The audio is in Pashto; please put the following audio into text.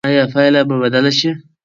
ایا پایله به بدله شي؟